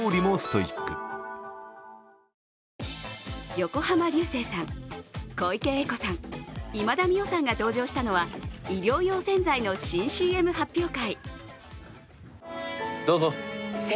横浜流星さん、小池栄子さん、今田美桜さんが登場したのは衣料用洗剤の新ＣＭ発表会。